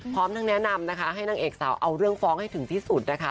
พร้อมทั้งแนะนำนะคะให้นางเอกสาวเอาเรื่องฟ้องให้ถึงที่สุดนะคะ